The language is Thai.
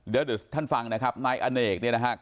เดี๋ยวท่านฟังนะครับนายอเนกเนี่ยนะครับ